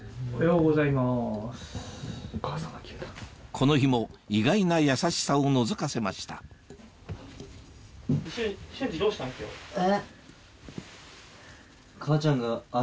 この日も意外な優しさをのぞかせましたえ？